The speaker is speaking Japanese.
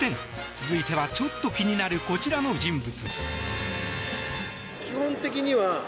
続いてはちょっと気になるこちらの人物。